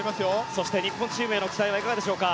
そして日本チームへの期待はいかがでしょうか。